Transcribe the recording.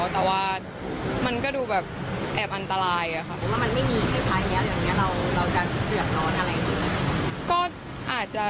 ใช่ค่ะเวลาไปเรียนอะไรอย่างนี้ก็จะขึ้นตรงนี้ประจำ